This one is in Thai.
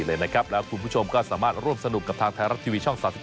เลยนะครับแล้วคุณผู้ชมก็สามารถร่วมสนุกกับทางไทยรัฐทีวีช่อง๓๒